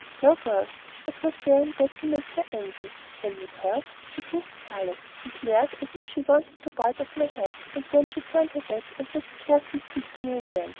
Now, girls, what was there in that to make her angry? Can you tell? She grew scarlet, and glared as if she wanted to bite my head off; and then she turned her back and would scarcely speak to me again.